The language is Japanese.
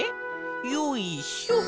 よいしょ。